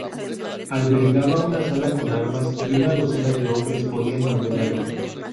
Albergaba una sala con armas y una docena de hombres podían mantenerlo.